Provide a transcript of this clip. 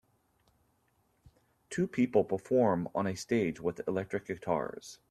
Two people perform on a stage with electric guitars.